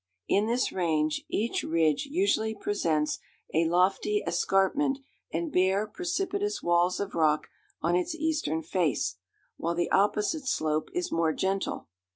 In this range each ridge usually presents a lofty escarpment and bare precipitous walls of rock on its eastern face, while the opposite slope is more gentle.